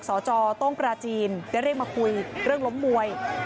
สจต้งปราจีนได้เรียกมาคุยเรื่องล้มมวย